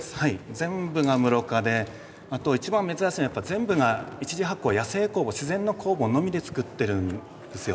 全部が無濾過であと一番珍しいのはやっぱ全部が一次発酵を野生酵母自然の酵母のみで造ってるんですよ。